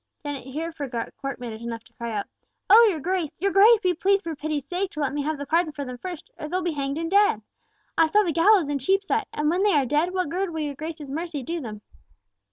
Dennet here forgot court manners enough to cry out, "O your Grace! your Grace, be pleased for pity's sake to let me have the pardon for them first, or they'll be hanged and dead. I saw the gallows in Cheapside, and when they are dead, what good will your Grace's mercy do them?"